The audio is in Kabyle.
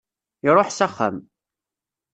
Iruḥ s axxam.